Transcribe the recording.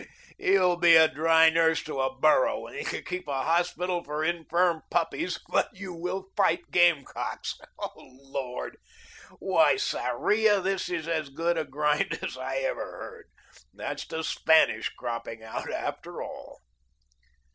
You'll be a dry nurse to a burro, and keep a hospital for infirm puppies, but you will fight game cocks. Oh, Lord! Why, Sarria, this is as good a grind as I ever heard. There's the Spanish cropping out, after all."